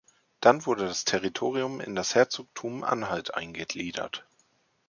Dann wurde das Territorium in das Herzogtum Anhalt eingegliedert.